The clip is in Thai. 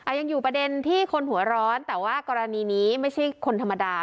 ยังอยู่ประเด็นที่คนหัวร้อนแต่ว่ากรณีนี้ไม่ใช่คนธรรมดา